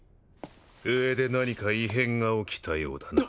上で何か異変が起きたようだな。